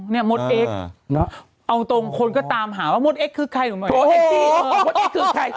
นี่มดเอกเนอะเอาตรงคนก็หาว่ามดเอกคือใครหนูเห็นไหม